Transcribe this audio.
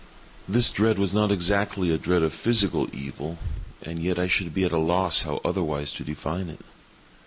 This dread was not exactly a dread of physical evil—and yet I should be at a loss how otherwise to define it.